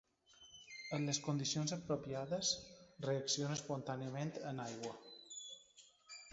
En les condicions apropiades reacciona espontàniament en aigua.